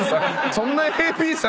そんなＡＰさん